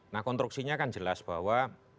nah konstruksinya kan jelas bahwa